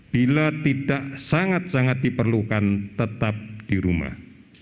bila tidak sangat sangat diperlukan tetap di rumah